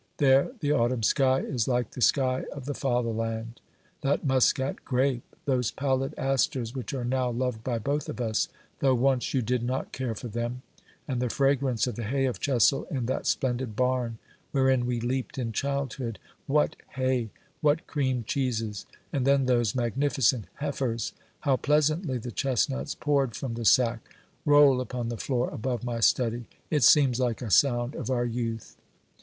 There the autumn sky is like the sky of the fatherland. That muscat grape ! those pallid asters which are now loved by both of us, though once you did not care for them ! and the fragrance of the hay of Chessel in that splendid barn wherein we leaped in childhood ! What hay ! What cream cheeses ! And then those magnificent heifers ! How pleasantly the chestnuts, poured from the sack, roll upon the floor above my study ! It seems like a sound of our youth.